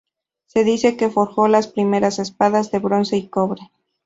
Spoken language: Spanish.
Se dice que forjó las primeras espadas de bronce y cobre.